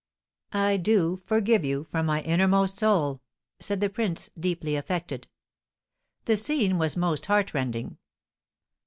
"I do forgive you from my innermost soul!" said the prince, deeply affected. The scene was most heartrending.